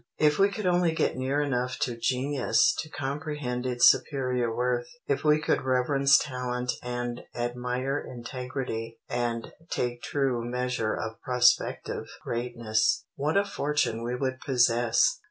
If we could only get near enough to Genius to comprehend its superior worth; if we could reverence talent and admire integrity and take true measure of prospective greatness, what a fortune we would possess!